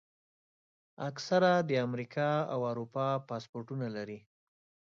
اکثره د امریکا او اروپا پاسپورټونه لري.